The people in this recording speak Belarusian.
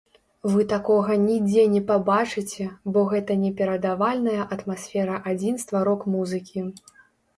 Вы такога нідзе не пабачыце, бо гэта неперадавальная атмасфера адзінства рок-музыкі!